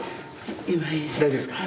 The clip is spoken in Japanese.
大丈夫ですか？